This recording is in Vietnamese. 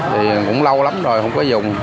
thì cũng lâu lắm rồi không có dùng